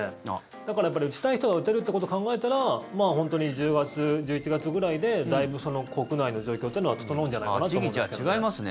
だから、打ちたい人が打てるってことを考えたら本当に１０月、１１月ぐらいでだいぶ国内の状況ってのは整うんじゃないかなと思うんですけどね。